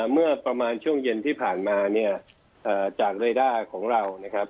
เมื่อประมาณช่วงเย็นที่ผ่านมาเนี่ยจากเรด้าของเรานะครับ